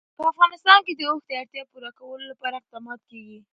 په افغانستان کې د اوښ د اړتیاوو پوره کولو لپاره اقدامات کېږي.